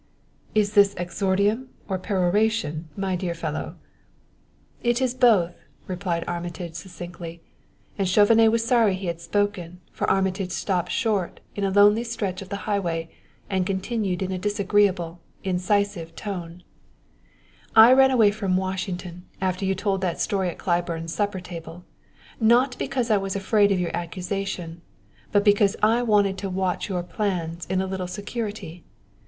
"Is this exordium or peroration, my dear fellow?" "It is both," replied Armitage succinctly, and Chauvenet was sorry he had spoken, for Armitage stopped short in a lonely stretch of the highway and continued in a disagreeable, incisive tone: "I ran away from Washington after you told that story at Claiborne's supper table, not because I was afraid of your accusation, but because I wanted to watch your plans a little in security.